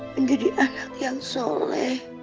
menjadi anak yang soleh